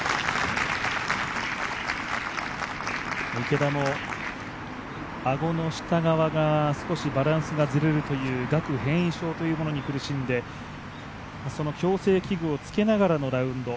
池田も顎の下側が少しバランスが崩れるという顎変異症というものに苦しんでその矯正器具をつけながらのラウンド。